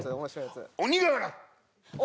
鬼瓦！